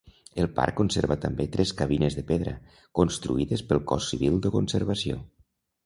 El parc conserva també tres cabines de pedra, construïdes pel Cos Civil de Conservació.